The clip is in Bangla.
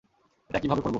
এটা কীভাবে করব?